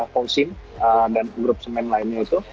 fosim dan grup semen lainnya itu